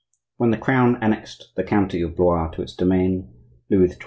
When the Crown annexed the county of Blois to its domain, Louis XII.